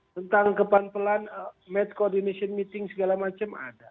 tentang kepelan pelan match coordination meeting segala macam ada